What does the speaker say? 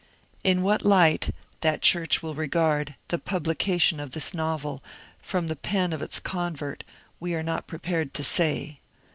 In what light that church will regard the publication of this novel from the pen of its con vert, we are not prepared to say.